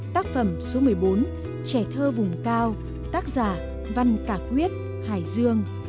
tác phẩm số một mươi bốn trẻ thơ vùng cao tác giả văn cả quyết hải dương